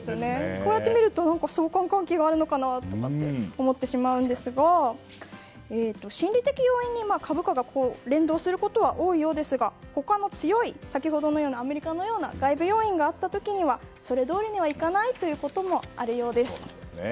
こうやって見ると相関関係があるのかなと思ってしまうんですが心理的要因に株価が連動することは多いようですが他の強い先ほどのようなアメリカのような外部要因があった場合にはそれどおりにいかないこともあるようです。